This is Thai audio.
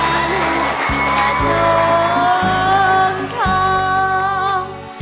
หนุ่มขวัญประจงท้อง